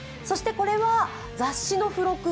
そしてこれは雑誌の付録